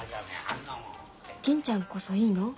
銀ちゃんこそいいの？